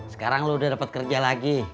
sekarang lo udah dapat kerja lagi